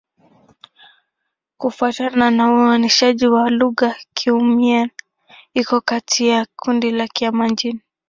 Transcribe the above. Kufuatana na uainishaji wa lugha, Kiiu-Mien iko katika kundi la Kimian-Jin.